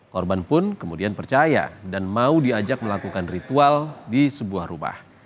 korban pun kemudian percaya dan mau diajak melakukan ritual di sebuah rumah